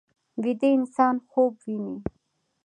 ویده انسان خوب ویني